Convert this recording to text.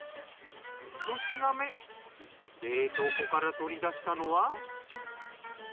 １品目冷凍庫から取り出したのは。